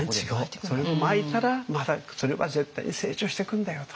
それをまいたらまたそれは絶対に成長してくんだよと。